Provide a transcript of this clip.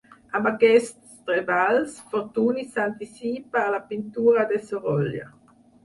Amb aquests treballs, Fortuny s'anticipa a la pintura de Sorolla.